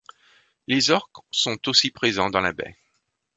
Les orques sont aussi présents dans la baie.